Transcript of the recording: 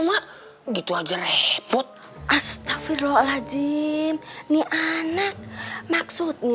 mak gitu aja repot astagfirullahaladzim nih anak maksudnya